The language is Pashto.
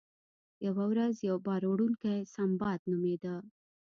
یوه ورځ یو بار وړونکی سنباد نومیده.